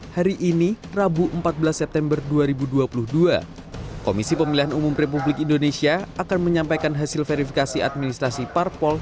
hari ini rabu empat belas september dua ribu dua puluh dua komisi pemilihan umum republik indonesia akan menyampaikan hasil verifikasi administrasi parpol